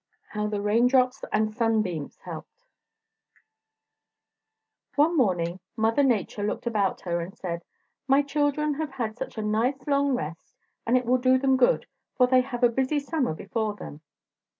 How the Raindrops and Sunbeams Helped One morning Mother Nature looked about her, and said: "My children have had such a nice long rest and it will do them good, for they have a busy summer before them.